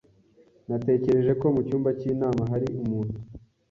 Natekereje ko mucyumba cy'inama hari umuntu.